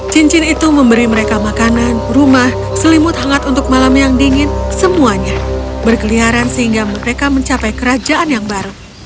cincin itu memberi mereka makanan rumah selimut hangat untuk malam yang dingin semuanya berkeliaran sehingga mereka mencapai kerajaan yang baru